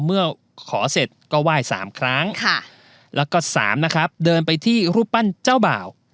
เมื่อขอเสร็จก็ไหว้๓ครั้งแล้วก็๓นะครับเดินไปที่รูปปั้นเจ้าบ่าว